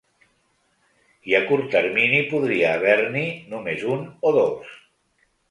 I a curt termini podria haver-n’hi només un o dos.